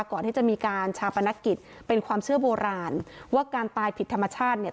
ก่อนที่จะมีการชาปนกิจเป็นความเชื่อโบราณว่าการตายผิดธรรมชาติเนี่ย